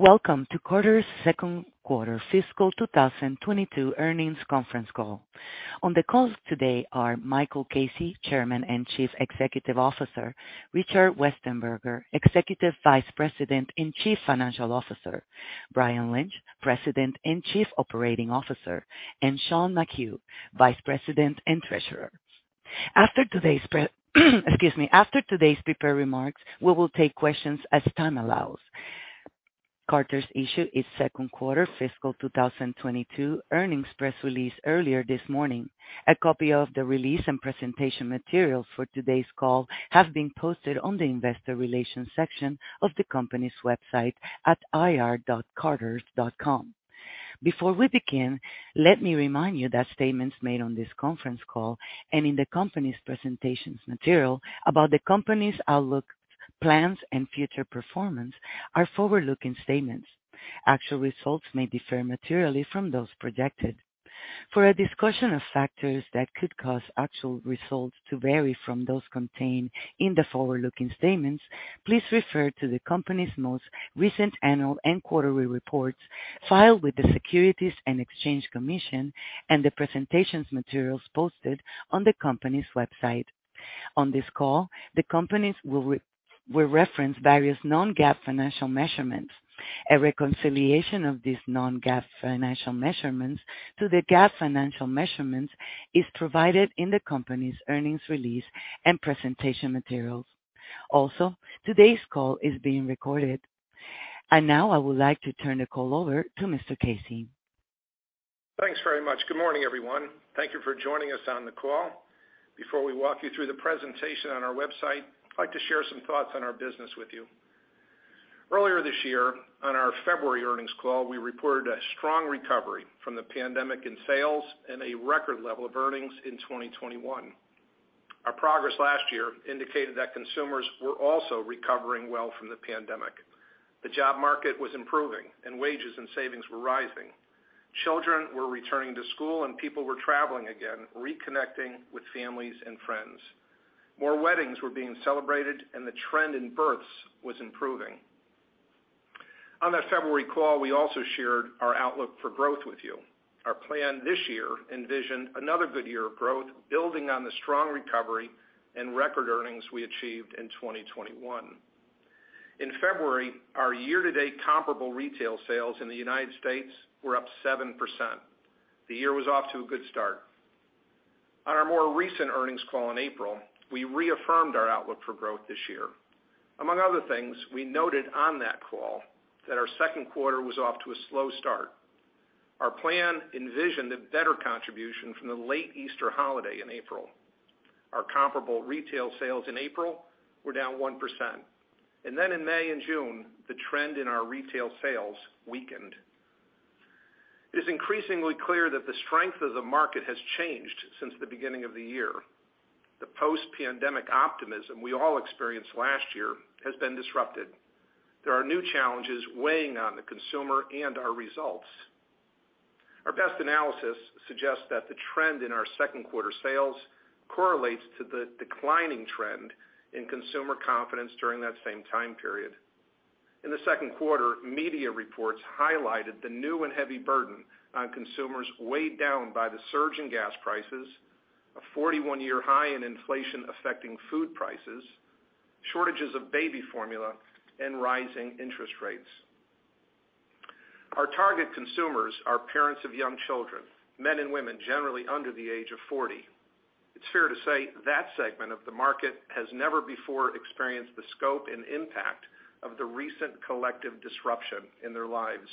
Welcome to Carter's second quarter fiscal 2022 earnings conference call. On the call today are Michael Casey, Chairman and Chief Executive Officer, Richard Westenberger, Executive Vice President and Chief Financial Officer, Brian Lynch, President and Chief Operating Officer, and Sean McHugh, Vice President and Treasurer. After today's prepared remarks, we will take questions as time allows. Carter's issued its second quarter fiscal 2022 earnings press release earlier this morning. A copy of the release and presentation materials for today's call have been posted on the investor relations section of the company's website at ir.carters.com. Before we begin, let me remind you that statements made on this conference call and in the company's presentation materials about the company's outlook, plans and future performance are forward-looking statements. Actual results may differ materially from those projected. For a discussion of factors that could cause actual results to vary from those contained in the forward-looking statements, please refer to the company's most recent annual and quarterly reports filed with the Securities and Exchange Commission and the presentation materials posted on the company's website. On this call, the company will reference various non-GAAP financial measurements. A reconciliation of these non-GAAP financial measurements to the GAAP financial measurements is provided in the company's earnings release and presentation materials. Also, today's call is being recorded. Now I would like to turn the call over to Mr. Casey. Thanks very much. Good morning, everyone. Thank you for joining us on the call. Before we walk you through the presentation on our website, I'd like to share some thoughts on our business with you. Earlier this year, on our February earnings call, we reported a strong recovery from the pandemic in sales and a record level of earnings in 2021. Our progress last year indicated that consumers were also recovering well from the pandemic. The job market was improving and wages and savings were rising. Children were returning to school and people were traveling again, reconnecting with families and friends. More weddings were being celebrated and the trend in births was improving. On that February call, we also shared our outlook for growth with you. Our plan this year envisioned another good year of growth, building on the strong recovery and record earnings we achieved in 2021. In February, our year-to-date comparable retail sales in the United States were up 7%. The year was off to a good start. On our more recent earnings call in April, we reaffirmed our outlook for growth this year. Among other things, we noted on that call that our second quarter was off to a slow start. Our plan envisioned a better contribution from the late Easter holiday in April. Our comparable retail sales in April were down 1%, and then in May and June, the trend in our retail sales weakened. It is increasingly clear that the strength of the market has changed since the beginning of the year. The post-pandemic optimism we all experienced last year has been disrupted. There are new challenges weighing on the consumer and our results. Our best analysis suggests that the trend in our second quarter sales correlates to the declining trend in consumer confidence during that same time period. In the second quarter, media reports highlighted the new and heavy burden on consumers weighed down by the surge in gas prices, a 41-year high in inflation affecting food prices, shortages of baby formula and rising interest rates. Our target consumers are parents of young children, men and women generally under the age of 40. It's fair to say that segment of the market has never before experienced the scope and impact of the recent collective disruption in their lives.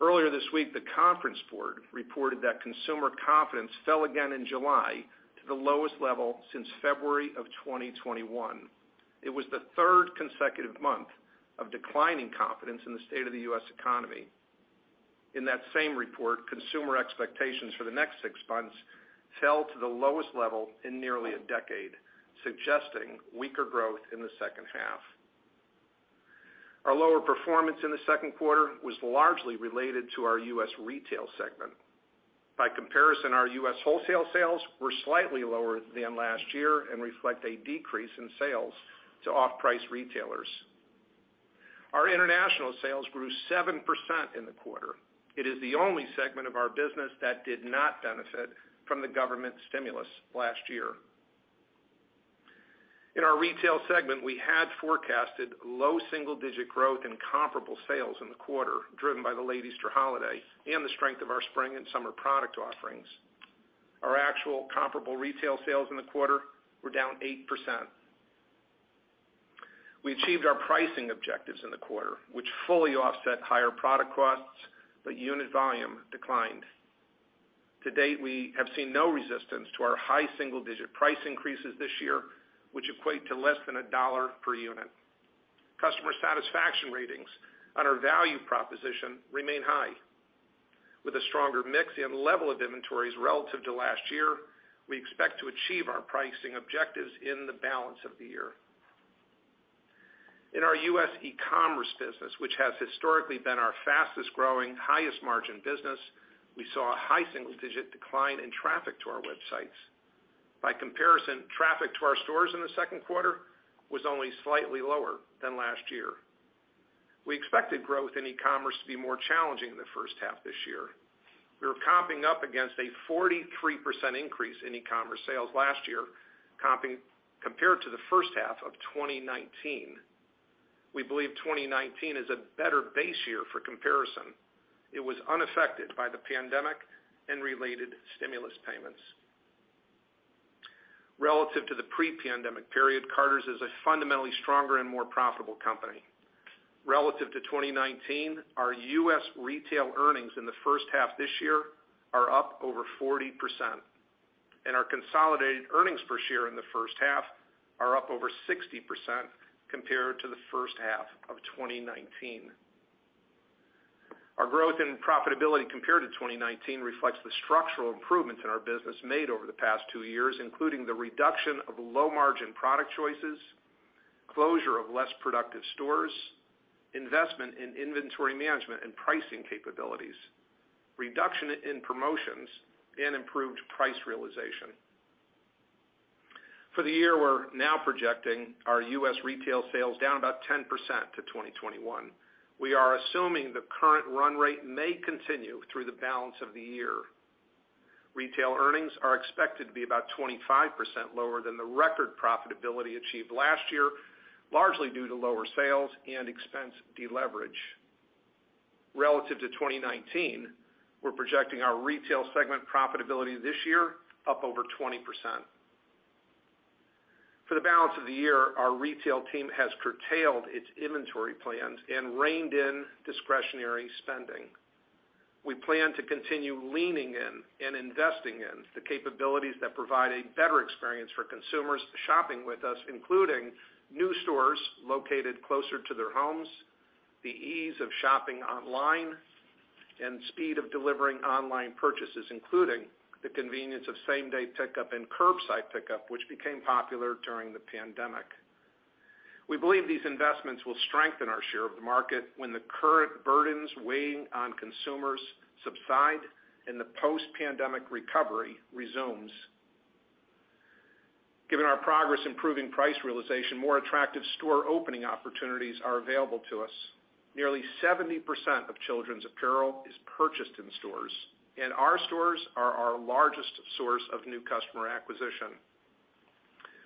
Earlier this week, The Conference Board reported that consumer confidence fell again in July to the lowest level since February of 2021. It was the third consecutive month of declining confidence in the state of the U.S. economy. In that same report, consumer expectations for the next six months fell to the lowest level in nearly a decade, suggesting weaker growth in the second half. Our lower performance in the second quarter was largely related to our U.S. retail segment. By comparison, our U.S. wholesale sales were slightly lower than last year and reflect a decrease in sales to off-price retailers. Our international sales grew 7% in the quarter. It is the only segment of our business that did not benefit from the government stimulus last year. In our retail segment, we had forecasted low single-digit percent growth in comparable sales in the quarter, driven by the late Easter holiday and the strength of our spring and summer product offerings. Our actual comparable retail sales in the quarter were down 8%. We achieved our pricing objectives in the quarter, which fully offset higher product costs, but unit volume declined. To date, we have seen no resistance to our high single-digit percent price increases this year, which equate to less than $1 per unit. Customer satisfaction ratings on our value proposition remain high. With a stronger mix in level of inventories relative to last year, we expect to achieve our pricing objectives in the balance of the year. In our U.S. e-commerce business, which has historically been our fastest growing, highest margin business, we saw a high single-digit percent decline in traffic to our websites. By comparison, traffic to our stores in the second quarter was only slightly lower than last year. We expected growth in e-commerce to be more challenging in the first half this year. We were comping up against a 43% increase in e-commerce sales last year, compared to the first half of 2019. We believe 2019 is a better base year for comparison. It was unaffected by the pandemic and related stimulus payments. Relative to the pre-pandemic period, Carter's is a fundamentally stronger and more profitable company. Relative to 2019, our U.S. retail earnings in the first half this year are up over 40%, and our consolidated earnings per share in the first half are up over 60% compared to the first half of 2019. Our growth and profitability compared to 2019 reflects the structural improvements in our business made over the past two years, including the reduction of low-margin product choices, closure of less productive stores, investment in inventory management and pricing capabilities, reduction in promotions, and improved price realization. For the year, we're now projecting our U.S. retail sales down about 10% to 2021. We are assuming the current run rate may continue through the balance of the year. Retail earnings are expected to be about 25% lower than the record profitability achieved last year, largely due to lower sales and expense deleverage. Relative to 2019, we're projecting our retail segment profitability this year up over 20%. For the balance of the year, our retail team has curtailed its inventory plans and reined in discretionary spending. We plan to continue leaning in and investing in the capabilities that provide a better experience for consumers shopping with us, including new stores located closer to their homes, the ease of shopping online, and speed of delivering online purchases, including the convenience of same-day pickup and curbside pickup, which became popular during the pandemic. We believe these investments will strengthen our share of the market when the current burdens weighing on consumers subside and the post-pandemic recovery resumes. Given our progress improving price realization, more attractive store opening opportunities are available to us. Nearly 70% of children's apparel is purchased in stores, and our stores are our largest source of new customer acquisition.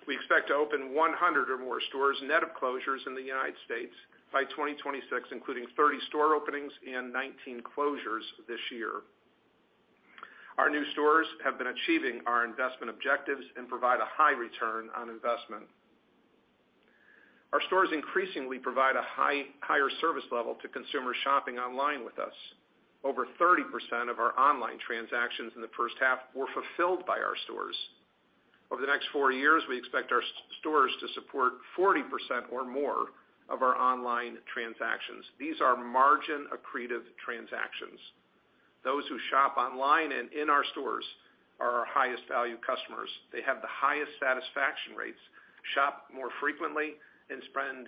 We expect to open 100 or more stores net of closures in the United States by 2026, including 30 store openings and 19 closures this year. Our new stores have been achieving our investment objectives and provide a high return on investment. Our stores increasingly provide a higher service level to consumers shopping online with us. Over 30% of our online transactions in the first half were fulfilled by our stores. Over the next four years, we expect our stores to support 40% or more of our online transactions. These are margin-accretive transactions. Those who shop online and in our stores are our highest value customers. They have the highest satisfaction rates, shop more frequently, and spend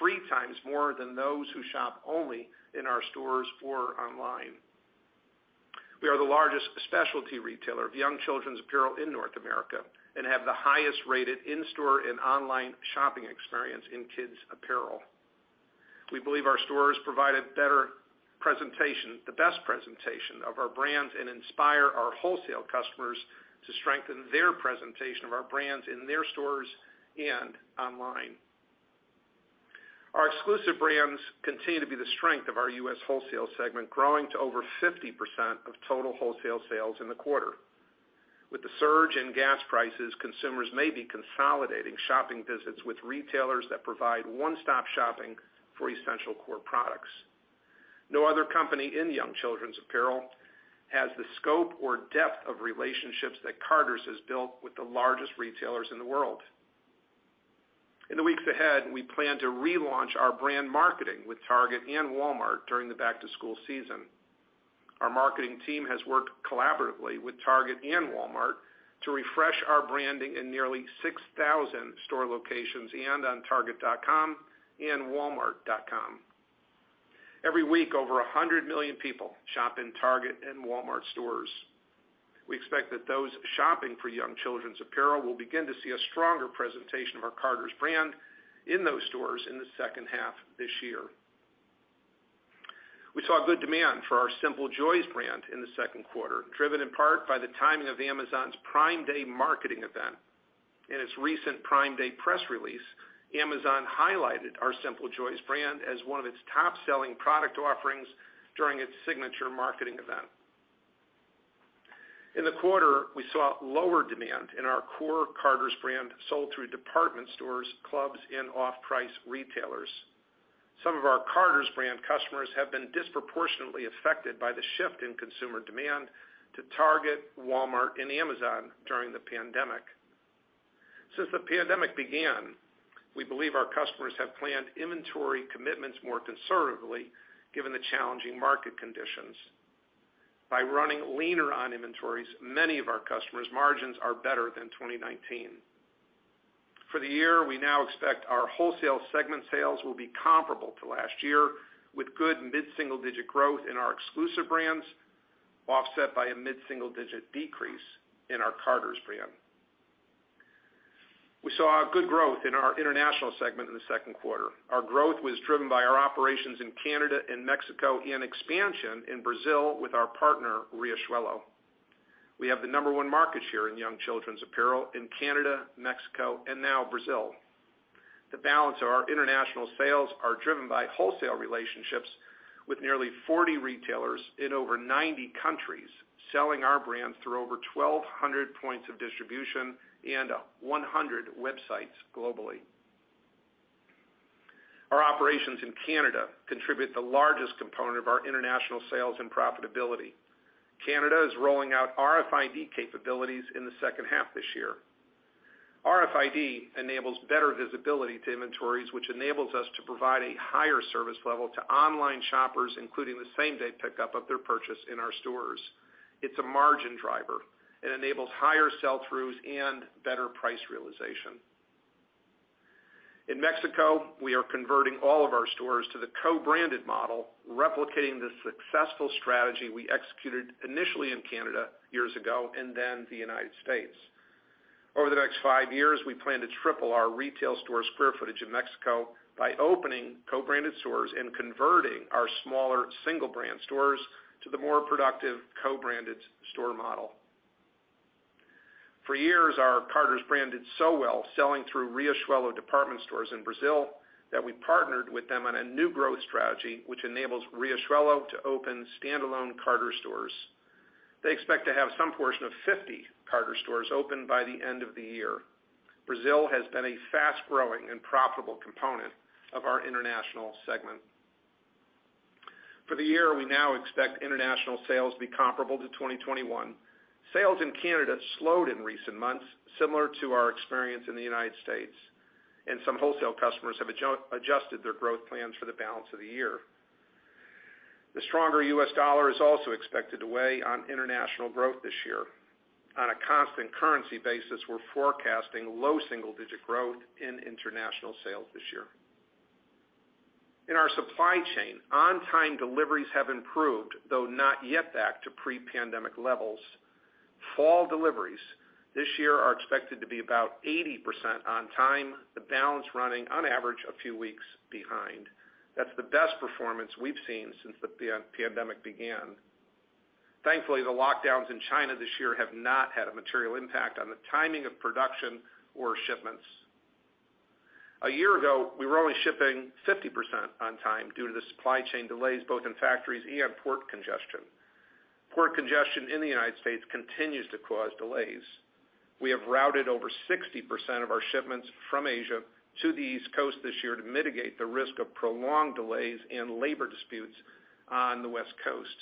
3x more than those who shop only in our stores or online. We are the largest specialty retailer of young children's apparel in North America and have the highest rated in-store and online shopping experience in kids apparel. We believe our stores provide a better presentation, the best presentation of our brands and inspire our wholesale customers to strengthen their presentation of our brands in their stores and online. Our exclusive brands continue to be the strength of our U.S. wholesale segment, growing to over 50% of total wholesale sales in the quarter. With the surge in gas prices, consumers may be consolidating shopping visits with retailers that provide one-stop shopping for essential core products. No other company in young children's apparel has the scope or depth of relationships that Carter's has built with the largest retailers in the world. In the weeks ahead, we plan to relaunch our brand marketing with Target and Walmart during the back-to-school season. Our marketing team has worked collaboratively with Target and Walmart to refresh our branding in nearly 6,000 store locations and on target.com and walmart.com. Every week, over 100 million people shop in Target and Walmart stores. We expect that those shopping for young children's apparel will begin to see a stronger presentation of our Carter's brand in those stores in the second half this year. We saw good demand for our Simple Joys brand in the second quarter, driven in part by the timing of Amazon's Prime Day marketing event. In its recent Prime Day press release, Amazon highlighted our Simple Joys brand as one of its top-selling product offerings during its signature marketing event. In the quarter, we saw lower demand in our core Carter's brand sold through department stores, clubs, and off-price retailers. Some of our Carter's brand customers have been disproportionately affected by the shift in consumer demand to Target, Walmart, and Amazon during the pandemic. Since the pandemic began, we believe our customers have planned inventory commitments more conservatively given the challenging market conditions. By running leaner on inventories, many of our customers' margins are better than 2019. For the year, we now expect our wholesale segment sales will be comparable to last year, with good mid-single-digit percent growth in our exclusive brands, offset by a mid-single-digit percent decrease in our Carter's brand. We saw a good growth in our international segment in the second quarter. Our growth was driven by our operations in Canada and Mexico, and expansion in Brazil with our partner, Riachuelo. We have the number one market share in young children's apparel in Canada, Mexico, and now Brazil. The balance of our international sales are driven by wholesale relationships with nearly 40 retailers in over 90 countries, selling our brands through over 1,200 points of distribution and 100 websites globally. Our operations in Canada contribute the largest component of our international sales and profitability. Canada is rolling out RFID capabilities in the second half this year. RFID enables better visibility to inventories, which enables us to provide a higher service level to online shoppers, including the same-day pickup of their purchase in our stores. It's a margin driver. It enables higher sell-throughs and better price realization. In Mexico, we are converting all of our stores to the co-branded model, replicating the successful strategy we executed initially in Canada years ago, and then the United States. Over the next five years, we plan to triple our retail store square footage in Mexico by opening co-branded stores and converting our smaller single-brand stores to the more productive co-branded store model. For years, our Carter's brand did so well selling through Riachuelo department stores in Brazil that we partnered with them on a new growth strategy, which enables Riachuelo to open standalone Carter's stores. They expect to have some portion of 50 Carter stores open by the end of the year. Brazil has been a fast-growing and profitable component of our international segment. For the year, we now expect international sales to be comparable to 2021. Sales in Canada slowed in recent months, similar to our experience in the United States, and some wholesale customers have adjusted their growth plans for the balance of the year. The stronger U.S. dollar is also expected to weigh on international growth this year. On a constant currency basis, we're forecasting low single-digit percent growth in international sales this year. In our supply chain, on-time deliveries have improved, though not yet back to pre-pandemic levels. Fall deliveries this year are expected to be about 80% on time, the balance running on average a few weeks behind. That's the best performance we've seen since the pandemic began. Thankfully, the lockdowns in China this year have not had a material impact on the timing of production or shipments. A year ago, we were only shipping 50% on time due to the supply chain delays both in factories and port congestion. Port congestion in the United States continues to cause delays. We have routed over 60% of our shipments from Asia to the East Coast this year to mitigate the risk of prolonged delays and labor disputes on the West Coast.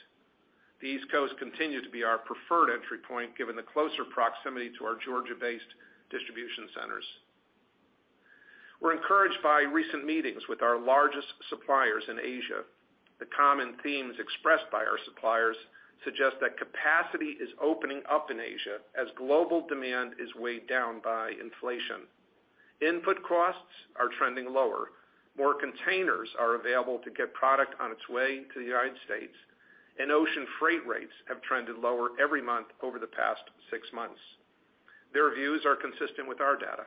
The East Coast continue to be our preferred entry point, given the closer proximity to our Georgia-based distribution centers. We're encouraged by recent meetings with our largest suppliers in Asia. The common themes expressed by our suppliers suggest that capacity is opening up in Asia as global demand is weighed down by inflation. Input costs are trending lower. More containers are available to get product on its way to the United States, and ocean freight rates have trended lower every month over the past six months. Their views are consistent with our data.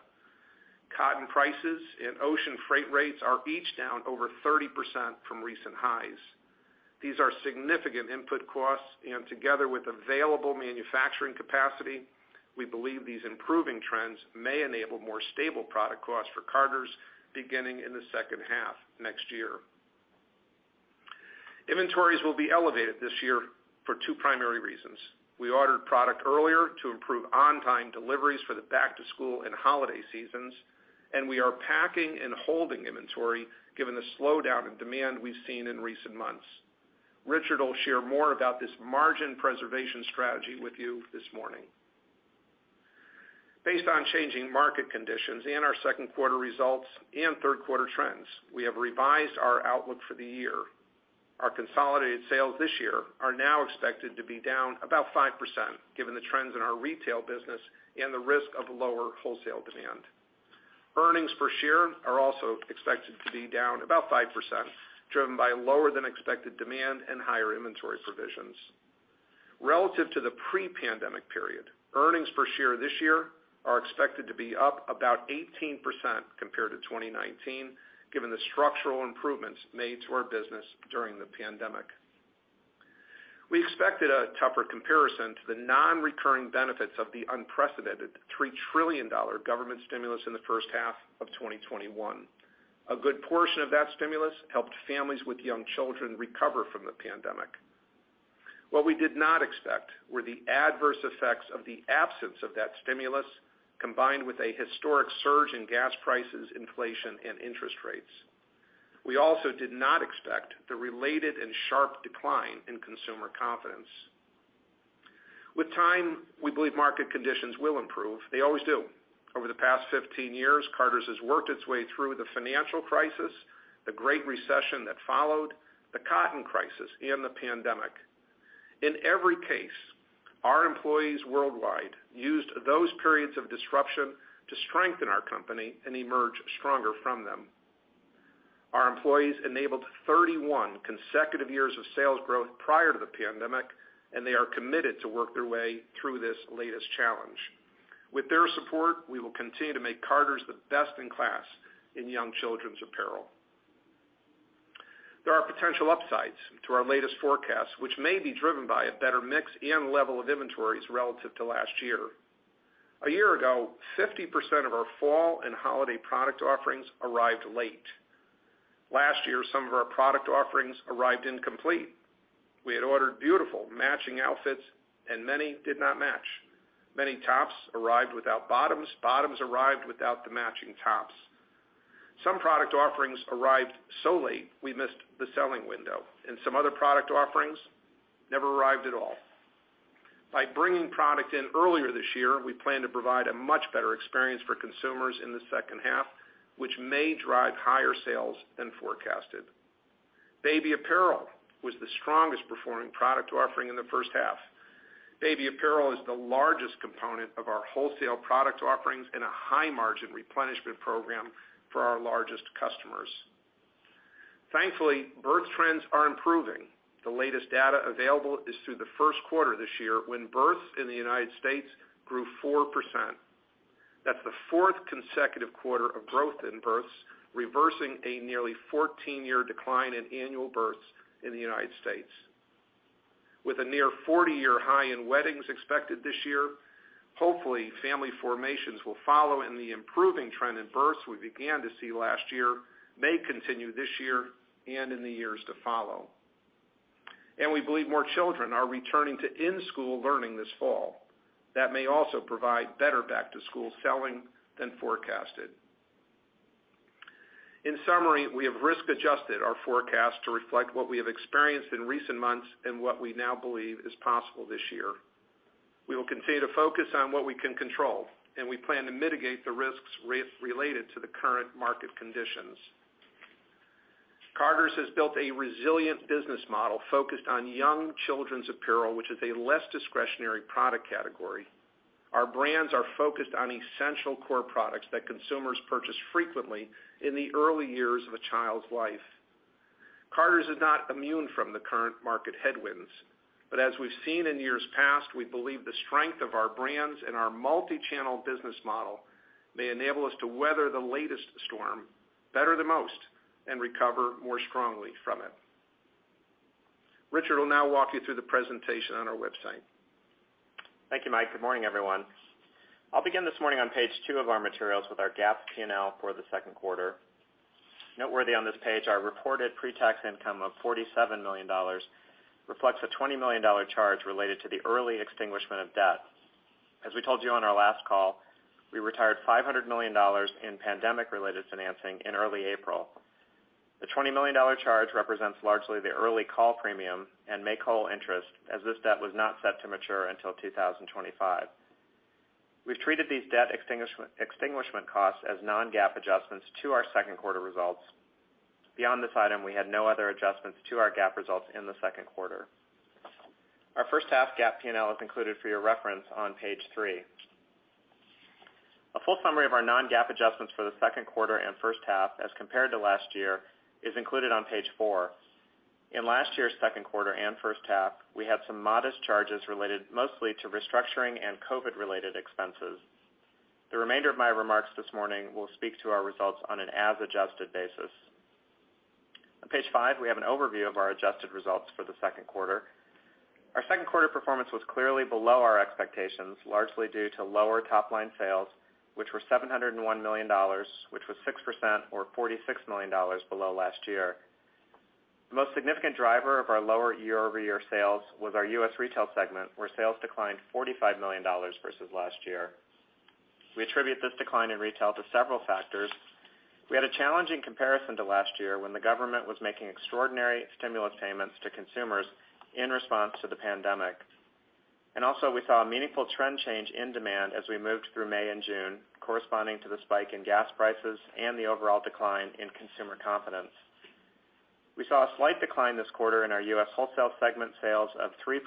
Cotton prices and ocean freight rates are each down over 30% from recent highs. These are significant input costs, and together with available manufacturing capacity, we believe these improving trends may enable more stable product costs for Carter's beginning in the second half next year. Inventories will be elevated this year for two primary reasons. We ordered product earlier to improve on-time deliveries for the back to school and holiday seasons, and we are packing and holding inventory given the slowdown in demand we've seen in recent months. Richard will share more about this margin preservation strategy with you this morning. Based on changing market conditions and our second quarter results and third quarter trends, we have revised our outlook for the year. Our consolidated sales this year are now expected to be down about 5%, given the trends in our retail business and the risk of lower wholesale demand. Earnings per share are also expected to be down about 5%, driven by lower than expected demand and higher inventory provisions. Relative to the pre-pandemic period, earnings per share this year are expected to be up about 18% compared to 2019, given the structural improvements made to our business during the pandemic. We expected a tougher comparison to the non-recurring benefits of the unprecedented $3 trillion government stimulus in the first half of 2021. A good portion of that stimulus helped families with young children recover from the pandemic. What we did not expect were the adverse effects of the absence of that stimulus, combined with a historic surge in gas prices, inflation, and interest rates. We also did not expect the related and sharp decline in consumer confidence. With time, we believe market conditions will improve. They always do. Over the past 15 years, Carter's has worked its way through the financial crisis, the Great Recession that followed, the cotton crisis, and the pandemic. In every case, our employees worldwide used those periods of disruption to strengthen our company and emerge stronger from them. Our employees enabled 31 consecutive years of sales growth prior to the pandemic, and they are committed to work their way through this latest challenge. With their support, we will continue to make Carter's the best in class in young children's apparel. There are potential upsides to our latest forecast, which may be driven by a better mix and level of inventories relative to last year. A year ago, 50% of our fall and holiday product offerings arrived late. Last year, some of our product offerings arrived incomplete. We had ordered beautiful matching outfits, and many did not match. Many tops arrived without bottoms. Bottoms arrived without the matching tops. Some product offerings arrived so late we missed the selling window, and some other product offerings never arrived at all. By bringing product in earlier this year, we plan to provide a much better experience for consumers in the second half, which may drive higher sales than forecasted. Baby apparel was the strongest performing product offering in the first half. Baby apparel is the largest component of our wholesale product offerings and a high-margin replenishment program for our largest customers. Thankfully, birth trends are improving. The latest data available is through the first quarter this year, when births in the United States grew 4%. That's the fourth consecutive quarter of growth in births, reversing a nearly 14-year decline in annual births in the United States. With a near 40-year high in weddings expected this year, hopefully family formations will follow, and the improving trend in births we began to see last year may continue this year and in the years to follow. We believe more children are returning to in-school learning this fall. That may also provide better back-to-school selling than forecasted. In summary, we have risk-adjusted our forecast to reflect what we have experienced in recent months and what we now believe is possible this year. We will continue to focus on what we can control, and we plan to mitigate the risks related to the current market conditions. Carter's has built a resilient business model focused on young children's apparel, which is a less discretionary product category. Our brands are focused on essential core products that consumers purchase frequently in the early years of a child's life. Carter's is not immune from the current market headwinds, but as we've seen in years past, we believe the strength of our brands and our multi-channel business model may enable us to weather the latest storm better than most and recover more strongly from it. Richard will now walk you through the presentation on our website. Thank you, Mike. Good morning, everyone. I'll begin this morning on page two of our materials with our GAAP P&L for the second quarter. Noteworthy on this page, our reported pre-tax income of $47 million reflects a $20 million charge related to the early extinguishment of debt. As we told you on our last call, we retired $500 million in pandemic-related financing in early April. The $20 million charge represents largely the early call premium and make-whole interest, as this debt was not set to mature until 2025. We've treated these debt extinguishment costs as non-GAAP adjustments to our second quarter results. Beyond this item, we had no other adjustments to our GAAP results in the second quarter. Our first half GAAP P&L is included for your reference on page three. A full summary of our non-GAAP adjustments for the second quarter and first half as compared to last year is included on page four. In last year's second quarter and first half, we had some modest charges related mostly to restructuring and COVID-related expenses. The remainder of my remarks this morning will speak to our results on an as-adjusted basis. On page five, we have an overview of our adjusted results for the second quarter. Our second quarter performance was clearly below our expectations, largely due to lower top-line sales, which were $701 million, which was 6% or $46 million below last year. The most significant driver of our lower year-over-year sales was our U.S. retail segment, where sales declined $45 million versus last year. We attribute this decline in retail to several factors. We had a challenging comparison to last year when the government was making extraordinary stimulus payments to consumers in response to the pandemic. Als`o, we saw a meaningful trend change in demand as we moved through May and June, corresponding to the spike in gas prices and the overall decline in consumer confidence. We saw a slight decline this quarter in our U.S. wholesale segment sales of 3%,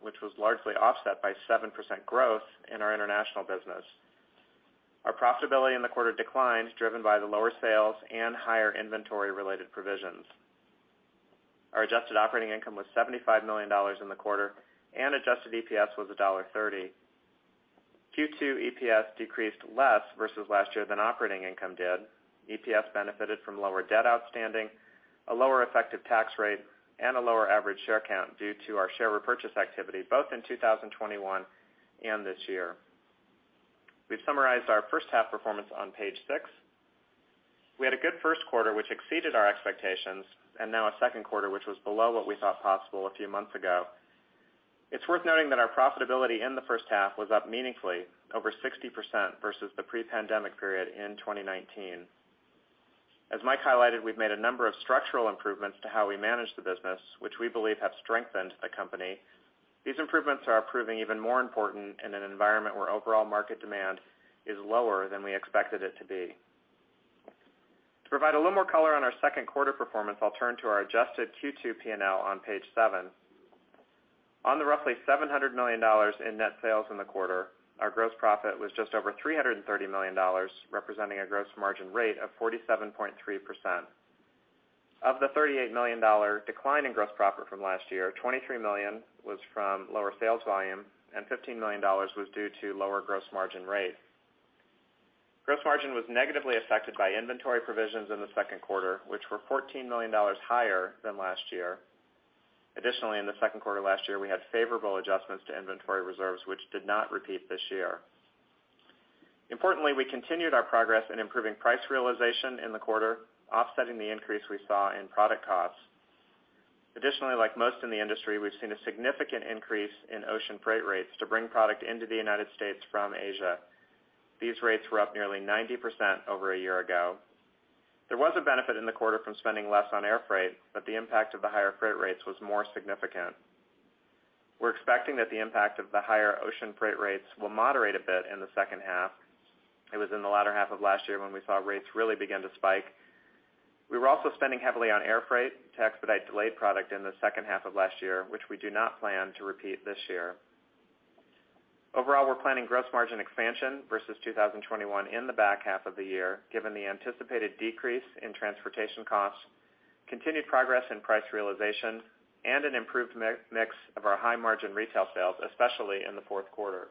which was largely offset by 7% growth in our international business. Our profitability in the quarter declined, driven by the lower sales and higher inventory-related provisions. Our adjusted operating income was $75 million in the quarter, and Adjusted EPS was $1.30. Q2 EPS decreased less versus last year than operating income did. EPS benefited from lower debt outstanding, a lower effective tax rate, and a lower average share count due to our share repurchase activity, both in 2021 and this year. We've summarized our first half performance on page six. We had a good first quarter, which exceeded our expectations, and now a second quarter, which was below what we thought possible a few months ago. It's worth noting that our profitability in the first half was up meaningfully, over 60% versus the pre-pandemic period in 2019. As Mike highlighted, we've made a number of structural improvements to how we manage the business, which we believe have strengthened the company. These improvements are proving even more important in an environment where overall market demand is lower than we expected it to be. To provide a little more color on our second quarter performance, I'll turn to our adjusted Q2 P&L on page seven. On the roughly $700 million in net sales in the quarter, our gross profit was just over $330 million, representing a gross margin rate of 47.3%. Of the $38 million decline in gross profit from last year, $23 million was from lower sales volume and $15 million was due to lower gross margin rate. Gross margin was negatively affected by inventory provisions in the second quarter, which were $14 million higher than last year. Additionally, in the second quarter last year, we had favorable adjustments to inventory reserves, which did not repeat this year. Importantly, we continued our progress in improving price realization in the quarter, offsetting the increase we saw in product costs. Additionally, like most in the industry, we've seen a significant increase in ocean freight rates to bring product into the United States from Asia. These rates were up nearly 90% over a year ago. There was a benefit in the quarter from spending less on air freight, but the impact of the higher freight rates was more significant. We're expecting that the impact of the higher ocean freight rates will moderate a bit in the second half. It was in the latter half of last year when we saw rates really begin to spike. We were also spending heavily on air freight to expedite delayed product in the second half of last year, which we do not plan to repeat this year. Overall, we're planning gross margin expansion versus 2021 in the back half of the year, given the anticipated decrease in transportation costs, continued progress in price realization, and an improved mix of our high margin retail sales, especially in the fourth quarter.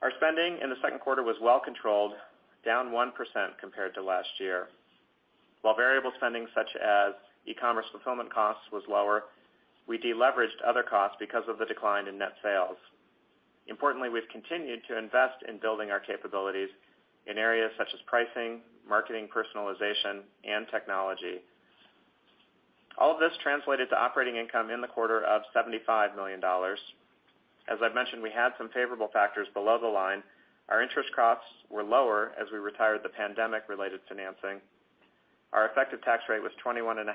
Our spending in the second quarter was well controlled, down 1% compared to last year. While variable spending such as e-commerce fulfillment costs was lower, we deleveraged other costs because of the decline in net sales. Importantly, we've continued to invest in building our capabilities in areas such as pricing, marketing, personalization, and technology. All of this translated to operating income in the quarter of $75 million. As I've mentioned, we had some favorable factors below the line. Our interest costs were lower as we retired the pandemic-related financing. Our effective tax rate was 21.5%,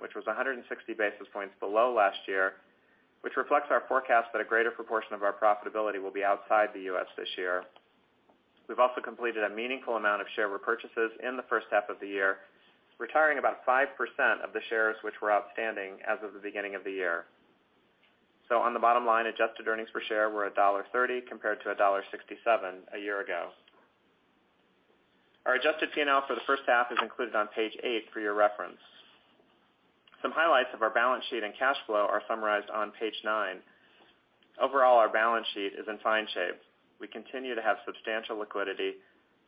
which was 160 basis points below last year, which reflects our forecast that a greater proportion of our profitability will be outside the U.S. this year. We've also completed a meaningful amount of share repurchases in the first half of the year, retiring about 5% of the shares which were outstanding as of the beginning of the year. On the bottom line, adjusted earnings per share were $1.30 compared to $1.67 a year ago. Our adjusted P&L for the first half is included on page eight for your reference. Some highlights of our balance sheet and cash flow are summarized on page nine. Overall, our balance sheet is in fine shape. We continue to have substantial liquidity,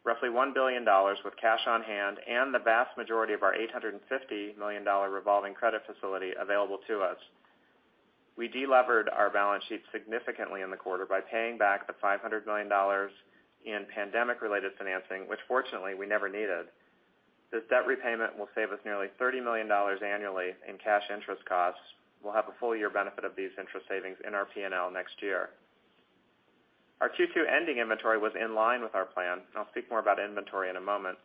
roughly $1 billion with cash on hand and the vast majority of our $850 million revolving credit facility available to us. We delevered our balance sheet significantly in the quarter by paying back the $500 million in pandemic-related financing, which fortunately we never needed. This debt repayment will save us nearly $30 million annually in cash interest costs. We'll have a full year benefit of these interest savings in our P&L next year. Our Q2 ending inventory was in line with our plan. I'll speak more about inventory in a moment.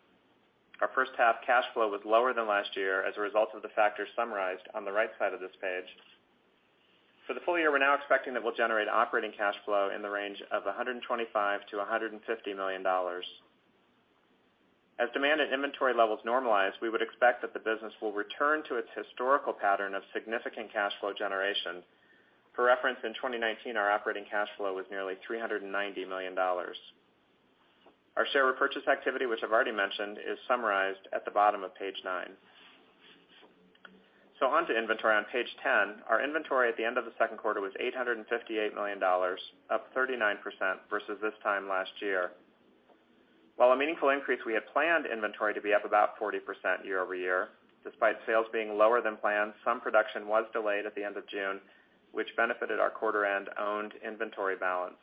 Our first half cash flow was lower than last year as a result of the factors summarized on the right side of this page. For the full year, we're now expecting that we'll generate operating cash flow in the range of $125 million-$150 million. As demand and inventory levels normalize, we would expect that the business will return to its historical pattern of significant cash flow generation. For reference, in 2019, our operating cash flow was nearly $390 million. Our share repurchase activity, which I've already mentioned, is summarized at the bottom of page nine. On to inventory on page 10. Our inventory at the end of the second quarter was $858 million, up 39% versus this time last year. While a meaningful increase, we had planned inventory to be up about 40% year over year. Despite sales being lower than planned, some production was delayed at the end of June, which benefited our quarter end owned inventory balance.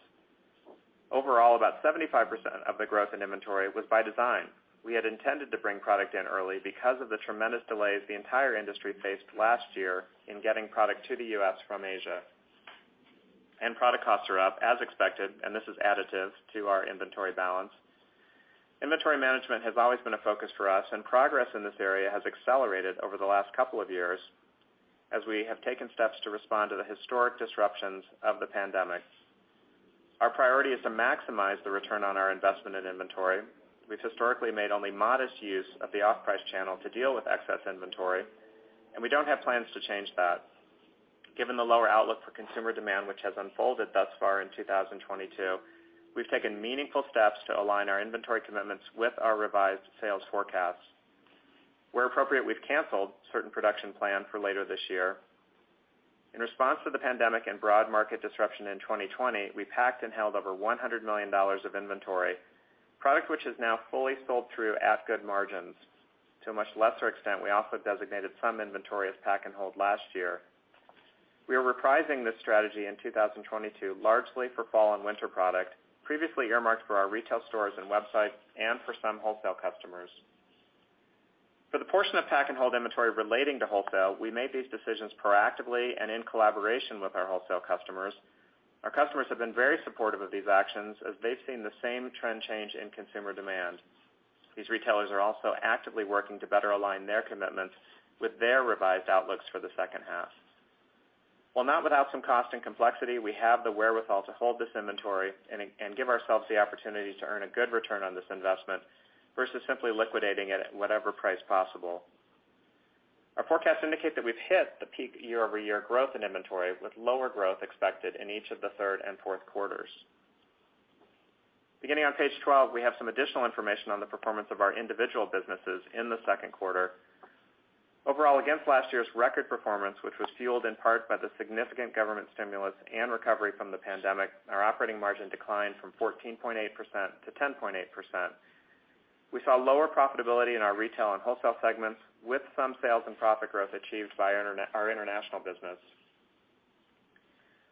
Overall, about 75% of the growth in inventory was by design. We had intended to bring product in early because of the tremendous delays the entire industry faced last year in getting product to the U.S. from Asia. Product costs are up as expected, and this is additive to our inventory balance. Inventory management has always been a focus for us, and progress in this area has accelerated over the last couple of years as we have taken steps to respond to the historic disruptions of the pandemic. Our priority is to maximize the return on our investment in inventory. We've historically made only modest use of the off-price channel to deal with excess inventory, and we don't have plans to change that. Given the lower outlook for consumer demand, which has unfolded thus far in 2022, we've taken meaningful steps to align our inventory commitments with our revised sales forecasts. Where appropriate, we've canceled certain production plans for later this year. In response to the pandemic and broad market disruption in 2020, we packed and held over $100 million of inventory product, which is now fully sold through at good margins. To a much lesser extent, we also designated some inventory as pack-and-hold last year. We are reprising this strategy in 2022 largely for fall and winter product previously earmarked for our retail stores and websites and for some wholesale customers. For the portion of pack-and-hold inventory relating to wholesale, we made these decisions proactively and in collaboration with our wholesale customers. Our customers have been very supportive of these actions as they've seen the same trend change in consumer demand. These retailers are also actively working to better align their commitments with their revised outlooks for the second half. While not without some cost and complexity, we have the wherewithal to hold this inventory and give ourselves the opportunity to earn a good return on this investment versus simply liquidating it at whatever price possible. Our forecasts indicate that we've hit the peak year-over-year growth in inventory, with lower growth expected in each of the third and fourth quarters. Beginning on page 12, we have some additional information on the performance of our individual businesses in the second quarter. Overall, against last year's record performance, which was fueled in part by the significant government stimulus and recovery from the pandemic, our operating margin declined from 14.8% to 10.8%. We saw lower profitability in our retail and wholesale segments, with some sales and profit growth achieved by our international business.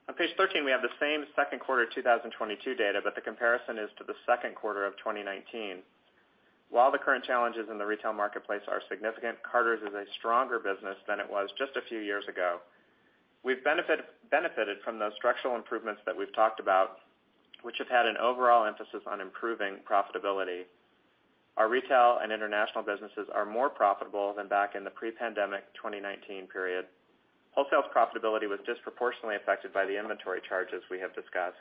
On page 13, we have the same second quarter 2022 data, but the comparison is to the second quarter of 2019. While the current challenges in the retail marketplace are significant, Carter's is a stronger business than it was just a few years ago. We've benefited from those structural improvements that we've talked about, which have had an overall emphasis on improving profitability. Our retail and international businesses are more profitable than back in the pre-pandemic 2019 period. Wholesale's profitability was disproportionately affected by the inventory charges we have discussed.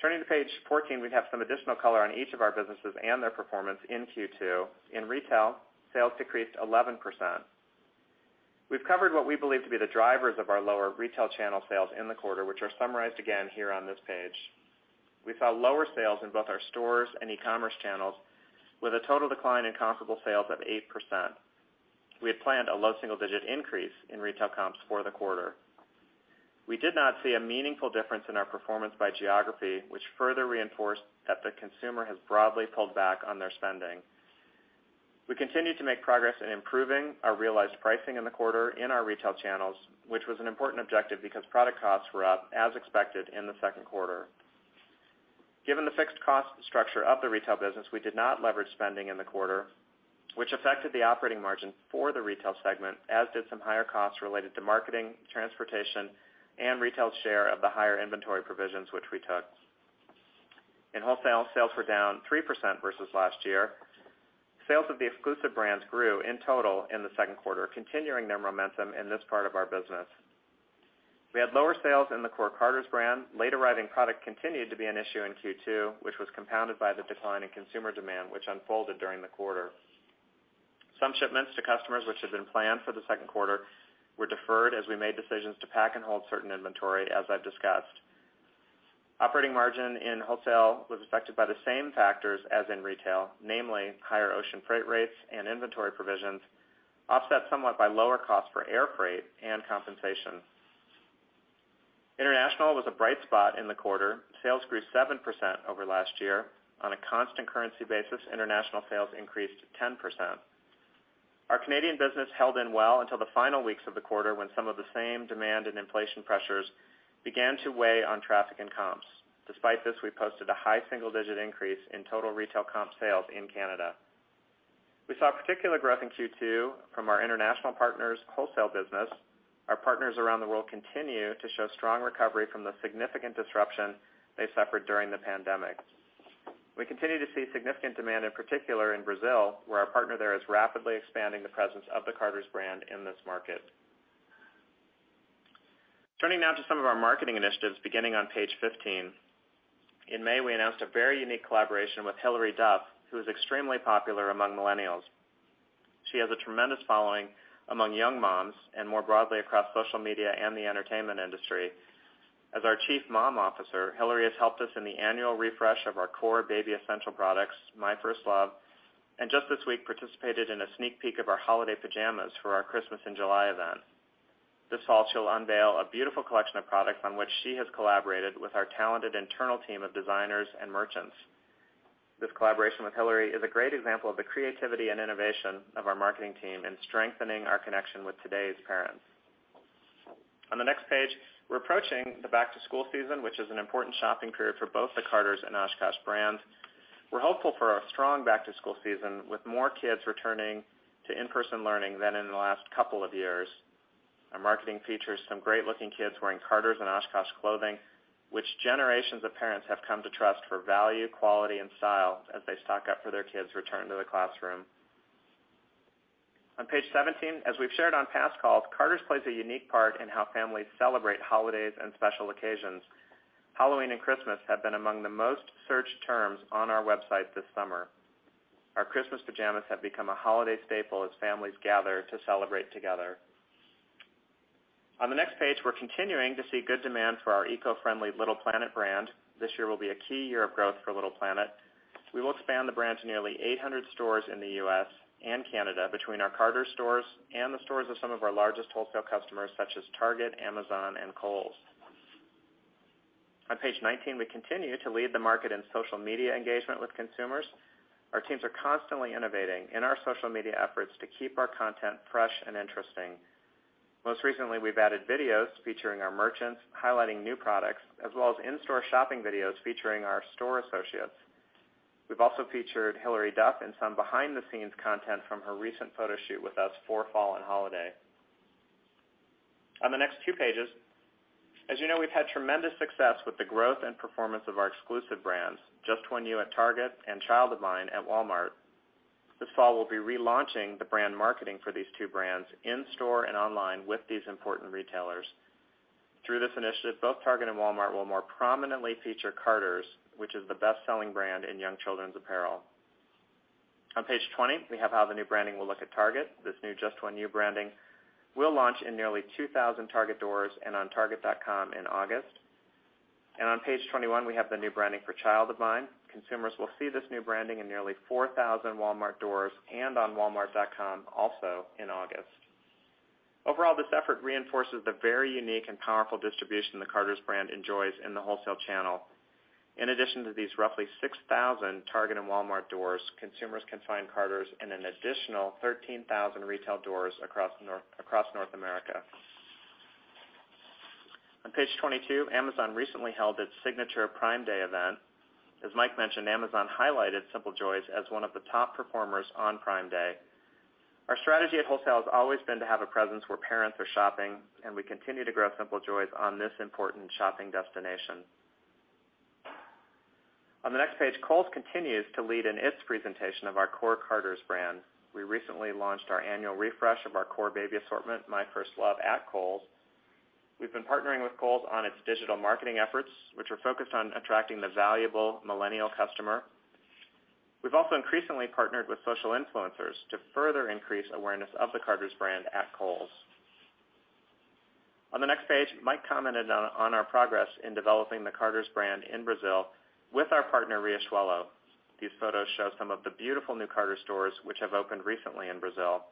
Turning to page 14, we have some additional color on each of our businesses and their performance in Q2. In retail, sales decreased 11%. We've covered what we believe to be the drivers of our lower retail channel sales in the quarter, which are summarized again here on this page. We saw lower sales in both our stores and e-commerce channels, with a total decline in comparable sales of 8%. We had planned a low single-digit percent increase in retail comps for the quarter. We did not see a meaningful difference in our performance by geography, which further reinforced that the consumer has broadly pulled back on their spending. We continued to make progress in improving our realized pricing in the quarter in our retail channels, which was an important objective because product costs were up as expected in the second quarter. Given the fixed cost structure of the retail business, we did not leverage spending in the quarter, which affected the operating margin for the retail segment, as did some higher costs related to marketing, transportation, and retail's share of the higher inventory provisions which we took. In wholesale, sales were down 3% versus last year. Sales of the exclusive brands grew in total in the second quarter, continuing their momentum in this part of our business. We had lower sales in the core Carter's brand. Late-arriving product continued to be an issue in Q2, which was compounded by the decline in consumer demand which unfolded during the quarter. Some shipments to customers which had been planned for the second quarter were deferred as we made decisions to pack and hold certain inventory, as I've discussed. Operating margin in wholesale was affected by the same factors as in retail, namely higher ocean freight rates and inventory provisions, offset somewhat by lower costs for air freight and compensation. International was a bright spot in the quarter. Sales grew 7% over last year. On a constant currency basis, international sales increased 10%. Our Canadian business held up well until the final weeks of the quarter, when some of the same demand and inflation pressures began to weigh on traffic and comps. Despite this, we posted a high single-digit percent increase in total retail comp sales in Canada. We saw particular growth in Q2 from our international partner's wholesale business. Our partners around the world continue to show strong recovery from the significant disruption they suffered during the pandemic. We continue to see significant demand, in particular in Brazil, where our partner there is rapidly expanding the presence of the Carter's brand in this market. Turning now to some of our marketing initiatives beginning on page 15. In May, we announced a very unique collaboration with Hilary Duff, who is extremely popular among millennials. She has a tremendous following among young moms and more broadly across social media and the entertainment industry. As our Chief Mom Officer, Hilary has helped us in the annual refresh of our core baby essential products, My First Love, and just this week participated in a sneak peek of our holiday pajamas for our Christmas in July event. This fall, she'll unveil a beautiful collection of products on which she has collaborated with our talented internal team of designers and merchants. This collaboration with Hilary is a great example of the creativity and innovation of our marketing team in strengthening our connection with today's parents. On the next page, we're approaching the back-to-school season, which is an important shopping period for both the Carter's and OshKosh B'gosh brands. We're hopeful for a strong back-to-school season, with more kids returning to in-person learning than in the last couple of years. Our marketing features some great-looking kids wearing Carter's and OshKosh B'gosh clothing, which generations of parents have come to trust for value, quality, and style as they stock up for their kids' return to the classroom. On page 17, as we've shared on past calls, Carter's plays a unique part in how families celebrate holidays and special occasions. Halloween and Christmas have been among the most searched terms on our website this summer. Our Christmas pajamas have become a holiday staple as families gather to celebrate together. On the next page, we're continuing to see good demand for our eco-friendly Little Planet brand. This year will be a key year of growth for Little Planet. We will expand the brand to nearly 800 stores in the U.S. and Canada between our Carter's stores and the stores of some of our largest wholesale customers, such as Target, Amazon, and Kohl's. On page 19, we continue to lead the market in social media engagement with consumers. Our teams are constantly innovating in our social media efforts to keep our content fresh and interesting. Most recently, we've added videos featuring our merchants highlighting new products, as well as in-store shopping videos featuring our store associates. We've also featured Hilary Duff in some behind-the-scenes content from her recent photo shoot with us for fall and holiday. On the next two pages, as you know, we've had tremendous success with the growth and performance of our exclusive brands, Just One You at Target and Child of Mine at Walmart. This fall, we'll be relaunching the brand marketing for these two brands in store and online with these important retailers. Through this initiative, both Target and Walmart will more prominently feature Carter's, which is the best-selling brand in young children's apparel. On page 20, we have how the new branding will look at Target. This new Just One You branding will launch in nearly 2,000 Target doors and on target.com in August. On page 21, we have the new branding for Child of Mine. Consumers will see this new branding in nearly 4,000 Walmart doors and on walmart.com also in August. Overall, this effort reinforces the very unique and powerful distribution the Carter's brand enjoys in the wholesale channel. In addition to these roughly 6,000 Target and Walmart doors, consumers can find Carter's in an additional 13,000 retail doors across North America. On page 22, Amazon recently held its signature Prime Day event. As Mike mentioned, Amazon highlighted Simple Joys as one of the top performers on Prime Day. Our strategy at wholesale has always been to have a presence where parents are shopping, and we continue to grow Simple Joys on this important shopping destination. On the next page, Kohl's continues to lead in its presentation of our core Carter's brand. We recently launched our annual refresh of our core baby assortment, My First Love, at Kohl's. We've been partnering with Kohl's on its digital marketing efforts, which are focused on attracting the valuable millennial customer. We've also increasingly partnered with social influencers to further increase awareness of the Carter's brand at Kohl's. On the next page, Mike commented on our progress in developing the Carter's brand in Brazil with our partner, Riachuelo. These photos show some of the beautiful new Carter's stores which have opened recently in Brazil.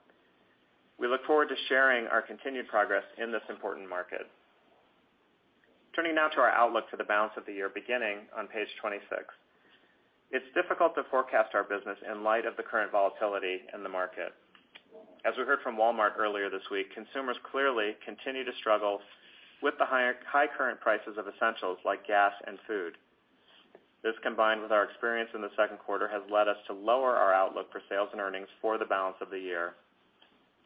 We look forward to sharing our continued progress in this important market. Turning now to our outlook for the balance of the year beginning on page 26. It's difficult to forecast our business in light of the current volatility in the market. As we heard from Walmart earlier this week, consumers clearly continue to struggle with the high current prices of essentials like gas and food. This, combined with our experience in the second quarter, has led us to lower our outlook for sales and earnings for the balance of the year.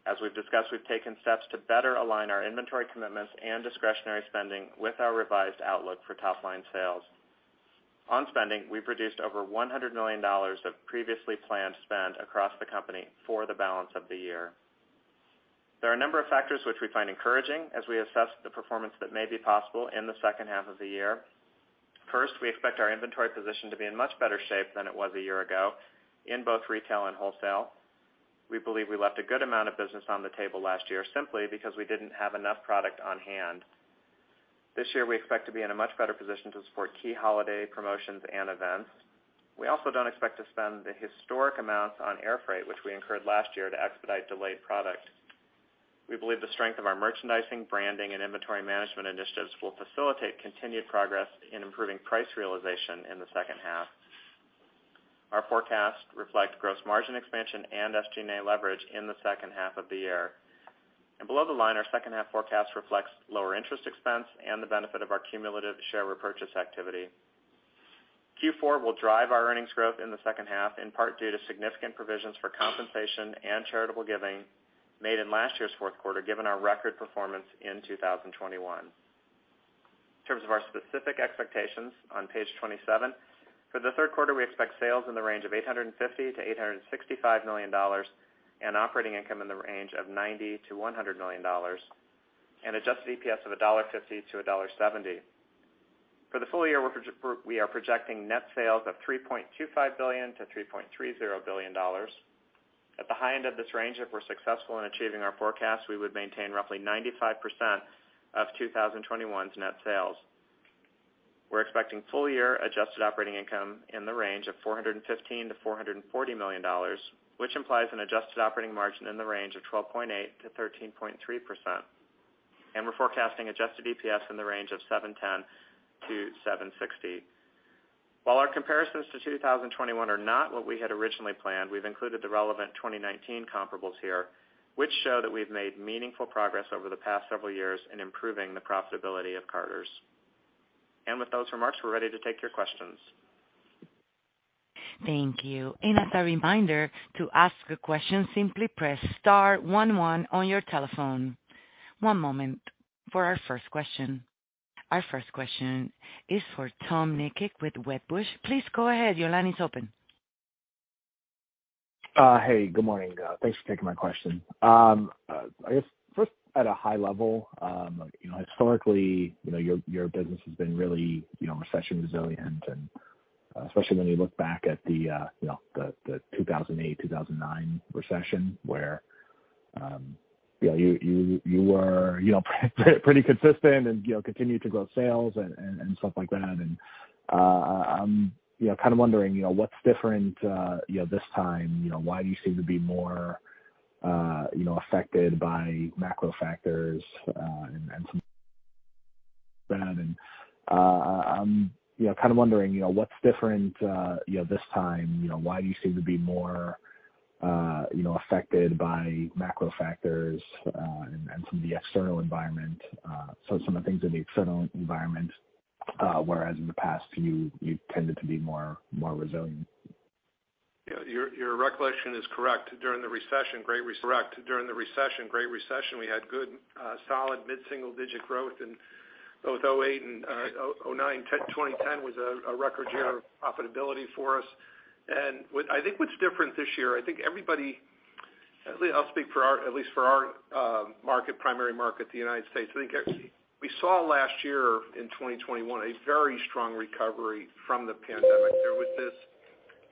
As we've discussed, we've taken steps to better align our inventory commitments and discretionary spending with our revised outlook for top line sales. On spending, we produced over $100 million of previously planned spend across the company for the balance of the year. There are a number of factors which we find encouraging as we assess the performance that may be possible in the second half of the year. First, we expect our inventory position to be in much better shape than it was a year ago in both retail and wholesale. We believe we left a good amount of business on the table last year simply because we didn't have enough product on hand. This year, we expect to be in a much better position to support key holiday promotions and events. We also don't expect to spend the historic amounts on air freight, which we incurred last year to expedite delayed product. We believe the strength of our merchandising, branding, and inventory management initiatives will facilitate continued progress in improving price realization in the second half. Our forecast reflects gross margin expansion and SG&A leverage in the second half of the year. Below the line, our second half forecast reflects lower interest expense and the benefit of our cumulative share repurchase activity. Q4 will drive our earnings growth in the second half, in part due to significant provisions for compensation and charitable giving made in last year's fourth quarter, given our record performance in 2021. In terms of our specific expectations on page 27, for the third quarter, we expect sales in the range of $850 million-$865 million and operating income in the range of $90 million-$100 million and Adjusted EPS of $1.50-$1.70. For the full year, we are projecting net sales of $3.25 billion-$3.30 billion. At the high end of this range, if we're successful in achieving our forecast, we would maintain roughly 95% of 2021's net sales. We're expecting full year adjusted operating income in the range of $415 million-$440 million, which implies an adjusted operating margin in the range of 12.8%-13.3%. We're forecasting Adjusted EPS in the range of $7.10-$7.60. While our comparisons to 2021 are not what we had originally planned, we've included the relevant 2019 comparables here, which show that we've made meaningful progress over the past several years in improving the profitability of Carter's. With those remarks, we're ready to take your questions. Thank you. As a reminder to ask a question, simply press star one one on your telephone. One moment for our first question. Our first question is for Tom Nikic with Wedbush. Please go ahead. Your line is open. Hey, good morning. Thanks for taking my question. I guess first at a high level, historically, your business has been really recession resilient. Especially when you look back at the 2008-2009 recession where you were pretty consistent and continued to grow sales and stuff like that. I'm kind of wondering what's different this time. You know, why do you seem to be more affected by macro factors, and some that. You know, why do you seem to be more, you know, affected by macro factors, and some of the things in the external environment, whereas in the past you tended to be more resilient? Yeah, your recollection is correct. During the Great Recession, we had good, solid mid-single-digit percent growth in both 2008 and 2009. 2010 was a record year of profitability for us. I think what's different this year. I think everybody, I'll speak for at least our primary market, the United States. I think we saw last year in 2021 a very strong recovery from the pandemic. There was this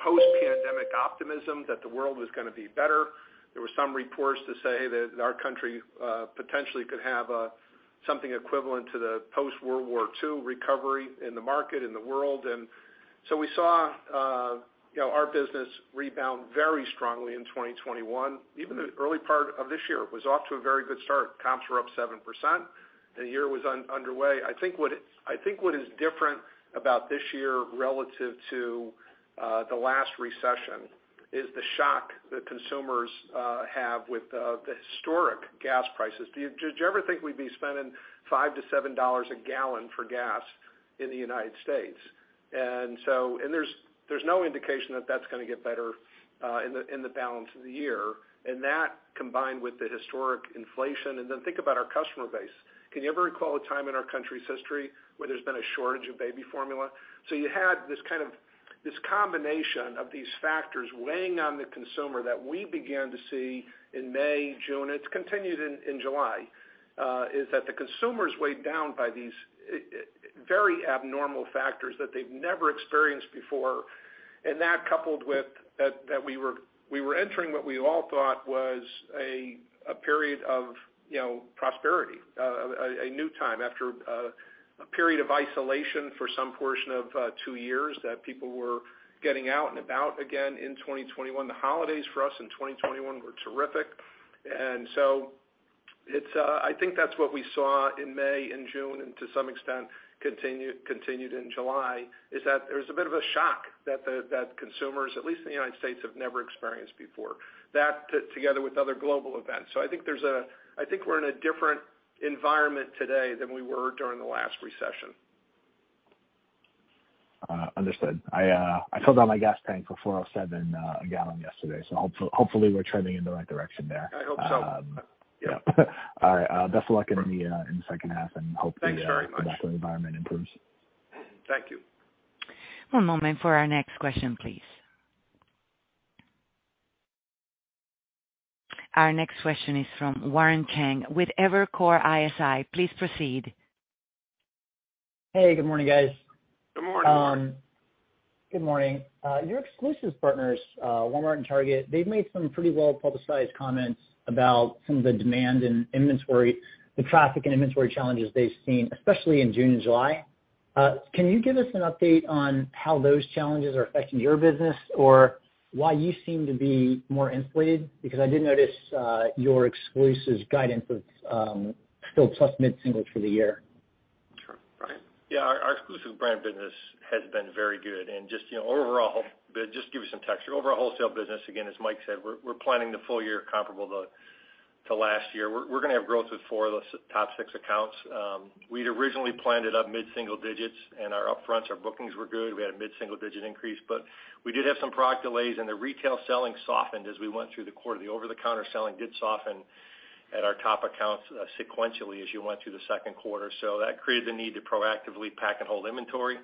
post-pandemic optimism that the world was gonna be better. There were some reports to say that our country potentially could have something equivalent to the post-World War II recovery in the market, in the world. We saw, you know, our business rebound very strongly in 2021. Even the early part of this year was off to a very good start. Comps were up 7%, the year was underway. I think what is different about this year relative to the last recession is the shock that consumers have with the historic gas prices. Did you ever think we'd be spending $5-$7 a gallon for gas in the United States? There's no indication that that's gonna get better in the balance of the year. That, combined with the historic inflation, and then think about our customer base. Can you ever recall a time in our country's history where there's been a shortage of baby formula? You had this kind of this combination of these factors weighing on the consumer that we began to see in May, June. It's continued in July, is that the consumer's weighed down by these very abnormal factors that they've never experienced before. That coupled with that we were entering what we all thought was a period of, you know, prosperity, a new time after a period of isolation for some portion of two years that people were getting out and about again in 2021. The holidays for us in 2021 were terrific. It's, I think, that's what we saw in May and June, and to some extent continued in July is that there's a bit of a shock that consumers, at least in the United States, have never experienced before, that together with other global events. I think we're in a different environment today than we were during the last recession. Understood. I filled up my gas tank for $4.07 a gallon yesterday, so hopefully we're trending in the right direction there. I hope so. Yeah. All right. Best of luck in the second half and hopefully. Thanks very much. The macro environment improves. Thank you. One moment for our next question, please. Our next question is from Warren Cheng with Evercore ISI. Please proceed. Hey, good morning, guys. Good morning, Warren. Good morning. Your exclusive partners, Walmart and Target, they've made some pretty well-publicized comments about some of the demand and inventory, the traffic and inventory challenges they've seen, especially in June and July. Can you give us an update on how those challenges are affecting your business or why you seem to be more insulated? Because I did notice, your exclusive guidance was, still plus mid-single for the year. Sure. Brian? Yeah. Our exclusive brand business has been very good. Just, you know, overall, just give you some texture. Overall wholesale business, again, as Mike said, we're planning the full year comparable to last year. We're gonna have growth with four of those top six accounts. We'd originally planned it up mid-single digits percent and our upfront bookings were good. We had a mid-single digit percent increase, but we did have some product delays and the retail selling softened as we went through the quarter. The over-the-counter selling did soften at our top accounts, sequentially as you went through the second quarter. That created the need to proactively pack-and-hold inventory.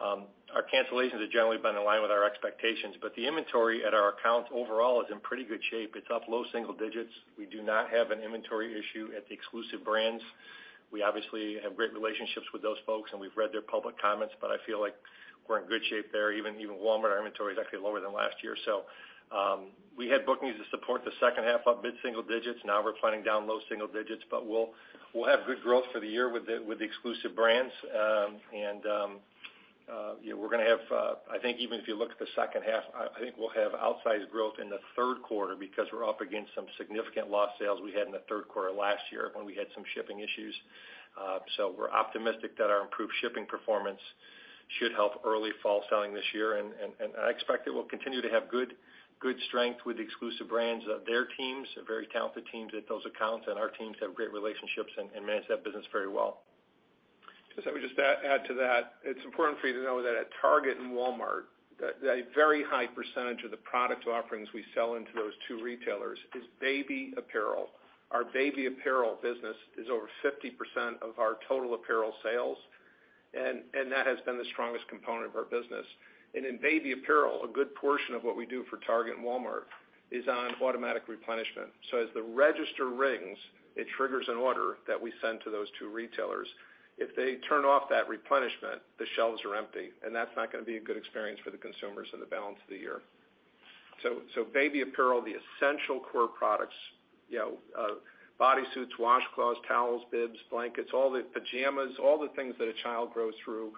Our cancellations have generally been in line with our expectations, but the inventory at our accounts overall is in pretty good shape. It's up low single digits percent. We do not have an inventory issue at the exclusive brands. We obviously have great relationships with those folks, and we've read their public comments, but I feel like we're in good shape there. Even Walmart, our inventory is actually lower than last year. We had bookings to support the second half up mid-single digits percent. Now we're planning down low single digits percent, but we'll have good growth for the year with the exclusive brands. We're gonna have. I think even if you look at the second half, I think we'll have outsized growth in the third quarter because we're up against some significant lost sales we had in the third quarter last year when we had some shipping issues. We're optimistic that our improved shipping performance should help early fall selling this year. I expect that we'll continue to have good strength with the exclusive brands. Their teams are very talented teams at those accounts, and our teams have great relationships and manage that business very well. Just let me add to that. It's important for you to know that at Target and Walmart, a very high percentage of the product offerings we sell into those two retailers is baby apparel. Our baby apparel business is over 50% of our total apparel sales, and that has been the strongest component of our business. In baby apparel, a good portion of what we do for Target and Walmart is on automatic replenishment. As the register rings, it triggers an order that we send to those two retailers. If they turn off that replenishment, the shelves are empty, and that's not gonna be a good experience for the consumers in the balance of the year. Baby apparel, the essential core products, you know, bodysuits, washcloths, towels, bibs, blankets, all the pajamas, all the things that a child grows through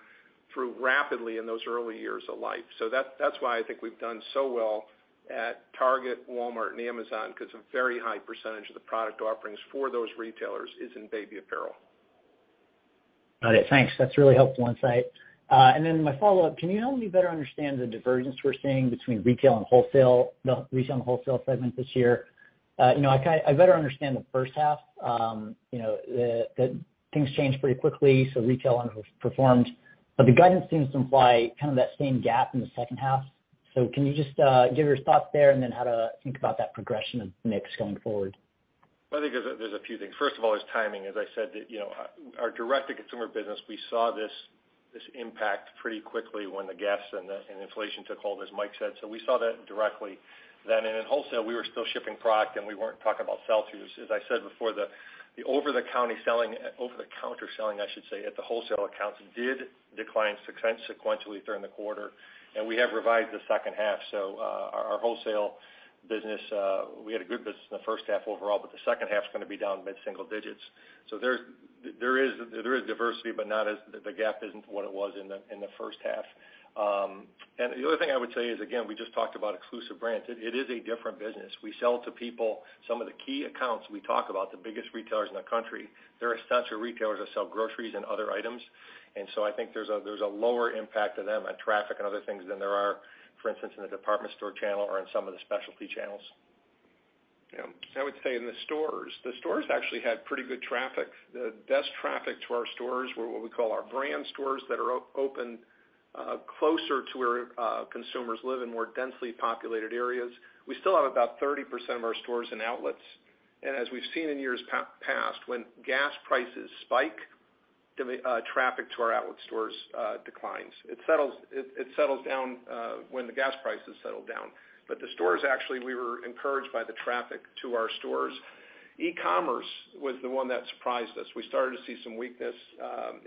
rapidly in those early years of life. That's why I think we've done so well at Target, Walmart and Amazon, 'cause a very high percentage of the product offerings for those retailers is in baby apparel. Got it. Thanks. That's really helpful insight. My follow-up, can you help me better understand the divergence we're seeing between retail and wholesale, the retail and wholesale segment this year? You know, I better understand the first half, you know, things change pretty quickly, so retail underperformed. The guidance seems to imply kind of that same gap in the second half. Can you just give your thoughts there and then how to think about that progression of mix going forward? I think there's a few things. First of all, it's timing. As I said that, you know, our direct-to-consumer business, we saw this impact pretty quickly when the gas and inflation took hold, as Mike said. We saw that directly. In wholesale, we were still shipping product, and we weren't talking about sell-throughs. As I said before, the over-the-counter selling, I should say, at the wholesale accounts did decline sequentially during the quarter, and we have revised the second half. Our wholesale business, we had a good business in the first half overall, but the second half's gonna be down mid-single digits percent. There is diversity, but not as the gap isn't what it was in the first half. The other thing I would say is, again, we just talked about exclusive brands. It is a different business. We sell to some of the key accounts we talk about, the biggest retailers in the country. They're essential retailers that sell groceries and other items. I think there's a lower impact to them on traffic and other things than there are, for instance, in the department store channel or in some of the specialty channels. Yeah. I would say in the stores, the stores actually had pretty good traffic. The best traffic to our stores were what we call our brand stores that are open closer to where consumers live in more densely populated areas. We still have about 30% of our stores in outlets. As we've seen in years past, when gas prices spike, the traffic to our outlet stores declines. It settles down when the gas prices settle down. The stores actually, we were encouraged by the traffic to our stores. E-commerce was the one that surprised us. We started to see some weakness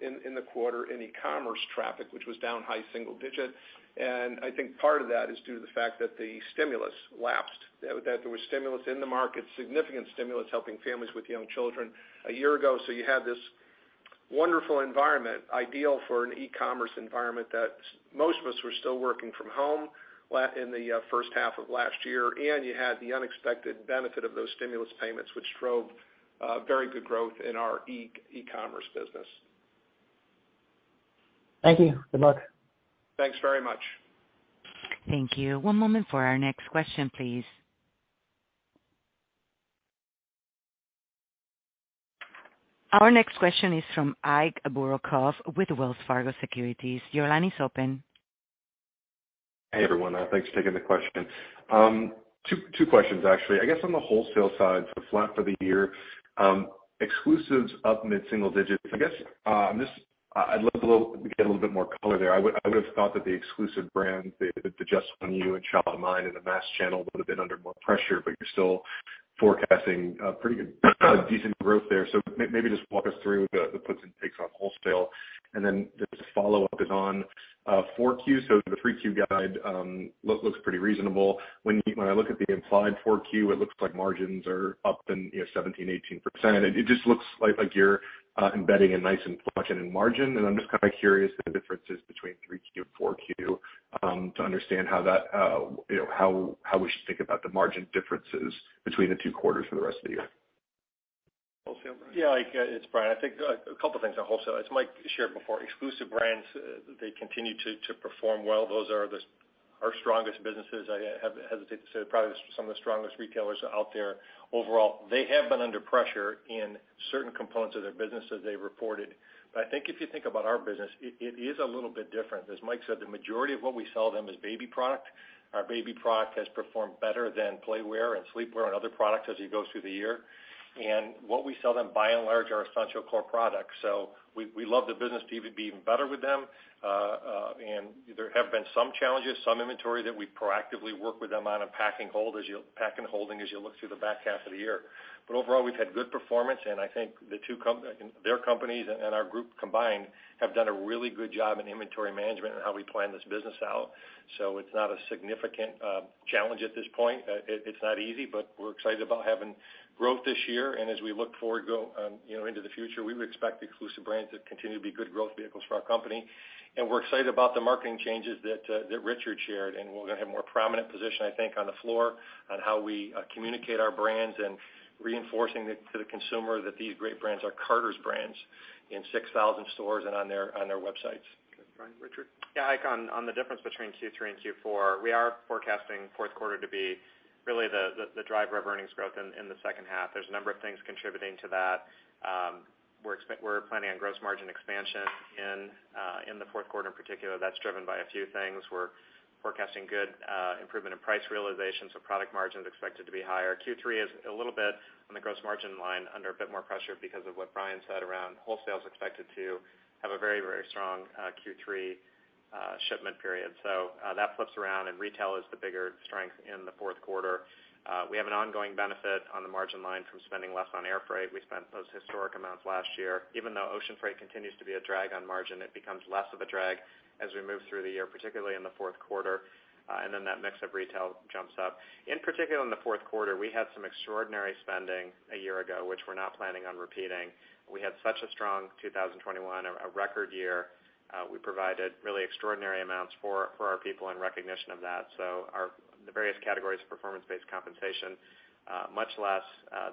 in the quarter in e-commerce traffic, which was down high single digit percent. I think part of that is due to the fact that the stimulus lapsed. That there was stimulus in the market, significant stimulus helping families with young children a year ago. You had this wonderful environment, ideal for an e-commerce environment, that most of us were still working from home in the first half of last year, and you had the unexpected benefit of those stimulus payments, which drove very good growth in our e-commerce business. Thank you. Good luck. Thanks very much. Thank you. One moment for our next question, please. Our next question is from Ike Boruchow with Wells Fargo Securities. Your line is open. Hey, everyone. Thanks for taking the question. Two questions actually. I guess on the wholesale side, so flat for the year, exclusives up mid-single digits percent. I'd love to get a little bit more color there. I would have thought that the exclusive brands, the Just One You and Child of Mine in the mass channel would have been under more pressure, but you're still forecasting pretty good, a decent growth there. Maybe just walk us through the puts and takes on wholesale. Just a follow-up is on 4Q. The 3Q guide looks pretty reasonable. When I look at the implied 4Q, it looks like margins are up, you know, 17%-18%. It just looks like you're embedding a nice inflection in margin, and I'm just kinda curious the differences between 3Q and 4Q, to understand how that, you know, how we should think about the margin differences between the two quarters for the rest of the year. Wholesale, Brian? Yeah, Ike, it's Brian. I think a couple things on wholesale. As Mike shared before, exclusive brands, they continue to perform well. Those are our strongest businesses. I hesitate to say probably some of the strongest retailers out there overall. They have been under pressure in certain components of their business as they reported. I think if you think about our business, it is a little bit different. As Mike said, the majority of what we sell them is baby product. Our baby product has performed better than playwear and sleepwear and other products as you go through the year. What we sell them by and large are essential core products. We love the business to be even better with them. There have been some challenges, some inventory that we proactively work with them on a pack-and-hold as you look through the back half of the year. Overall, we've had good performance, and I think their companies and our group combined have done a really good job in inventory management and how we plan this business out. It's not a significant challenge at this point. It's not easy, but we're excited about having growth this year. As we look forward, you know, into the future, we would expect exclusive brands to continue to be good growth vehicles for our company. We're excited about the marketing changes that Richard shared, and we're gonna have more prominent position, I think, on the floor on how we communicate our brands and reinforcing it to the consumer that these great brands are Carter's brands in 6,000 stores and on their websites. Okay, Brian, Richard? Yeah, Ike, on the difference between Q3 and Q4, we are forecasting fourth quarter to be really the drive of earnings growth in the second half. There's a number of things contributing to that. We're planning on gross margin expansion in the fourth quarter in particular. That's driven by a few things. We're forecasting good improvement in price realization, so product margin is expected to be higher. Q3 is a little bit on the gross margin line under a bit more pressure because of what Brian said around wholesale is expected to have a very strong Q3 shipment period. That flips around and retail is the bigger strength in the fourth quarter. We have an ongoing benefit on the margin line from spending less on air freight. We spent those historic amounts last year. Even though ocean freight continues to be a drag on margin, it becomes less of a drag as we move through the year, particularly in the fourth quarter, and then that mix of retail jumps up. In particular, in the fourth quarter, we had some extraordinary spending a year ago, which we're not planning on repeating. We had such a strong 2021, a record year. We provided really extraordinary amounts for our people in recognition of that. The various categories of performance-based compensation much less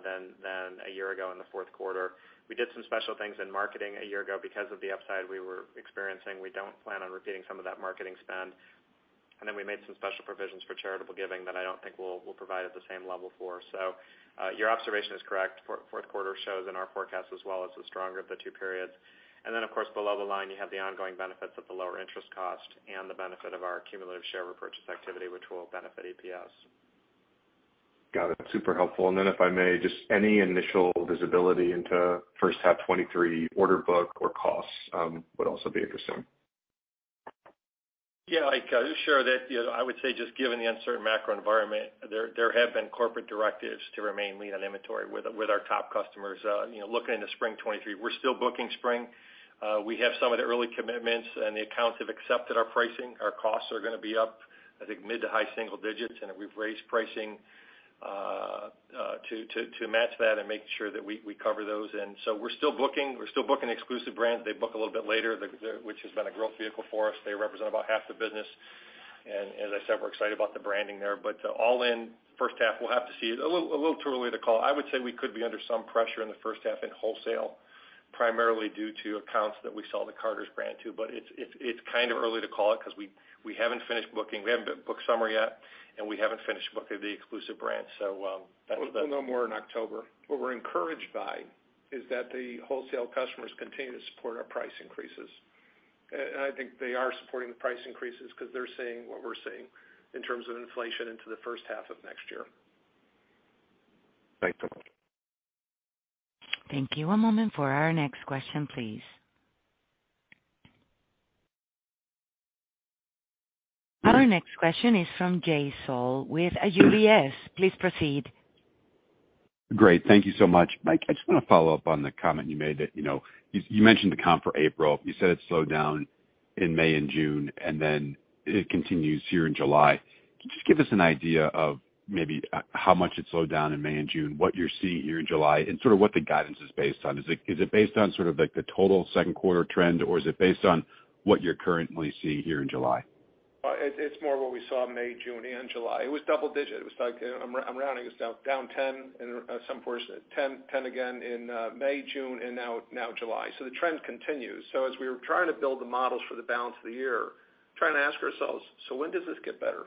than a year ago in the fourth quarter. We did some special things in marketing a year ago because of the upside we were experiencing. We don't plan on repeating some of that marketing spend. We made some special provisions for charitable giving that I don't think we'll provide at the same level for. Your observation is correct. Fourth quarter shows in our forecast as well as the stronger of the two periods. Of course, below the line, you have the ongoing benefits of the lower interest cost and the benefit of our cumulative share repurchase activity, which will benefit EPS. Got it. Super helpful. If I may, just any initial visibility into first half 2023 order book or costs, would also be interesting. Yeah. Like, I'm sure that, you know, I would say just given the uncertain macro environment, there have been corporate directives to remain lean on inventory with our top customers. You know, looking into spring 2023, we're still booking spring. We have some of the early commitments, and the accounts have accepted our pricing. Our costs are gonna be up, I think mid- to high-single digits percent, and we've raised pricing to match that and make sure that we cover those. We're still booking exclusive brands. They book a little bit later, which has been a growth vehicle for us. They represent about half the business. As I said, we're excited about the branding there. All in first half, we'll have to see. A little too early to call. I would say we could be under some pressure in the first half in wholesale, primarily due to accounts that we sell the Carter's brand to. It's kind of early to call it because we haven't finished booking. We haven't booked summer yet, and we haven't finished booking the exclusive brands. We'll know more in October. What we're encouraged by is that the wholesale customers continue to support our price increases. And I think they are supporting the price increases because they're seeing what we're seeing in terms of inflation into the first half of next year. Thanks so much. Thank you. One moment for our next question, please. Our next question is from Jay Sole with UBS. Please proceed. Great. Thank you so much. Mike, I just wanna follow up on the comment you made that, you know, you mentioned the comp for April. You said it slowed down in May and June, and then it continues here in July. Can you just give us an idea of maybe how much it slowed down in May and June, what you're seeing here in July, and sort of what the guidance is based on? Is it based on sort of like the total second quarter trend, or is it based on what you're currently seeing here in July? It's more what we saw May, June and July. It was double-digit percent. It was like, I'm rounding this down 10% in some portion. 10% again in May, June and now July. The trend continues. As we were trying to build the models for the balance of the year, trying to ask ourselves, "So when does this get better?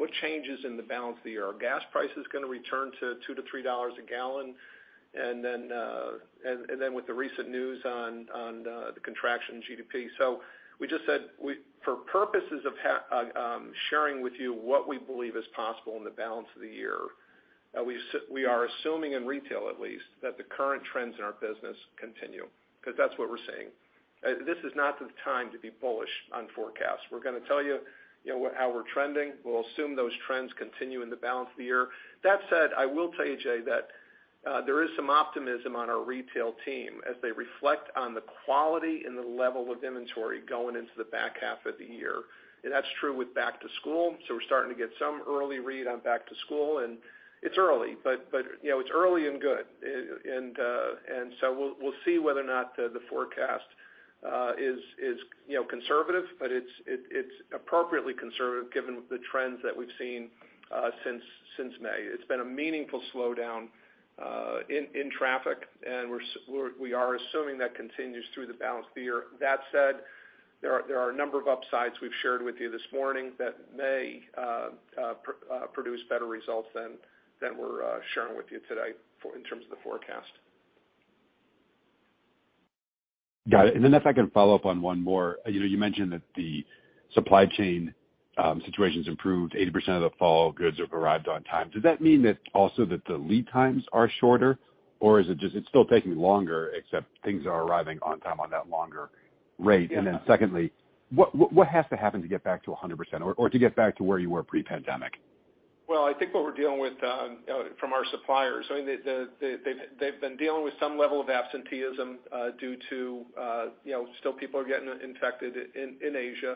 What changes in the balance of the year? Are gas prices gonna return to $2-$3 a gallon?" With the recent news on the contraction in GDP. We just said for purposes of sharing with you what we believe is possible in the balance of the year, we are assuming in retail at least, that the current trends in our business continue because that's what we're seeing. This is not the time to be bullish on forecasts. We're gonna tell you know, how we're trending. We'll assume those trends continue in the balance of the year. That said, I will tell you, Jay, that there is some optimism on our retail team as they reflect on the quality and the level of inventory going into the back half of the year. That's true with back to school, so we're starting to get some early read on back to school. It's early, but you know, it's early and good. We'll see whether or not the forecast is, you know, conservative, but it's appropriately conservative given the trends that we've seen since May. It's been a meaningful slowdown in traffic, and we are assuming that continues through the balance of the year. That said, there are a number of upsides we've shared with you this morning that may produce better results than we're sharing with you today in terms of the forecast. Got it. If I can follow up on one more. You know, you mentioned that the supply chain situation's improved. 80% of the fall goods have arrived on time. Does that mean that also that the lead times are shorter, or is it just it's still taking longer except things are arriving on time on that longer rate? Yeah. Secondly, what has to happen to get back to 100% or to get back to where you were pre-pandemic? Well, I think what we're dealing with from our suppliers, they've been dealing with some level of absenteeism due to you know, still people are getting infected in Asia.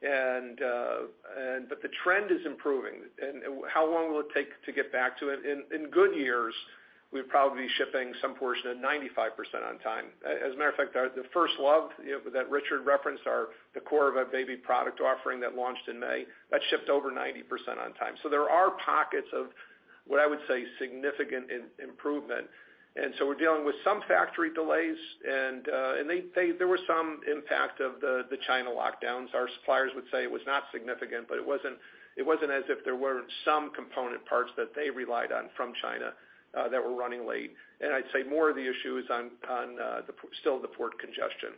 But the trend is improving. How long will it take to get back to it? In good years, we'd probably be shipping some portion of 95% on time. As a matter of fact, My First Love, you know, that Richard referenced, the core of our baby product offering that launched in May, that shipped over 90% on time. There are pockets of what I would say significant improvement. We're dealing with some factory delays and there was some impact of the China lockdowns. Our suppliers would say it was not significant, but it wasn't as if there weren't some component parts that they relied on from China that were running late. I'd say more of the issue is on still the port congestion.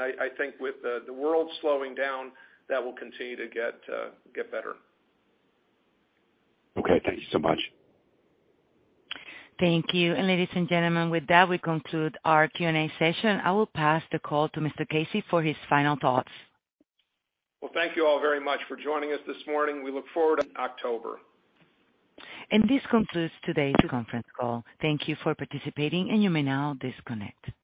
I think with the world slowing down, that will continue to get better. Okay. Thank you so much. Thank you. Ladies and gentlemen, with that, we conclude our Q&A session. I will pass the call to Mr. Casey for his final thoughts. Well, thank you all very much for joining us this morning. We look forward in October. This concludes today's conference call. Thank you for participating, and you may now disconnect.